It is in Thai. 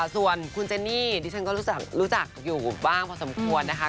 ส่วนคุณเจนนี่ดิฉันก็รู้จักอยู่บ้างพอสมควรนะคะ